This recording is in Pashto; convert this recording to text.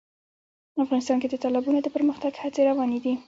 افغانستان کې د تالابونه د پرمختګ هڅې روانې دي.